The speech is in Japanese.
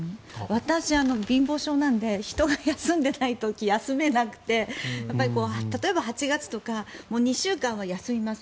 私、貧乏性なので人が休んでない時に休めなくて例えば８月とか２週間は休みます